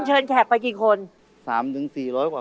โอ้เยอะน่ะ